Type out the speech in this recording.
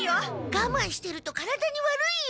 がまんしてると体に悪いよ。